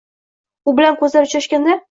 U bilan ko‘zlari uchrashganda.